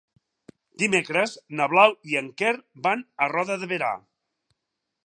Dimecres na Blau i en Quer van a Roda de Berà.